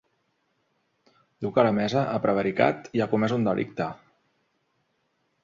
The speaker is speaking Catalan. Diu que la mesa ha prevaricat i ha comès un delicte.